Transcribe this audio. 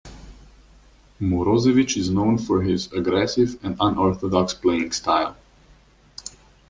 Morozevich is known for his aggressive and unorthodox playing style.